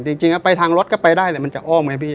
จริงจริงอะไปทางรถก็ไปได้แต่มันจะอ้อมไหมพี่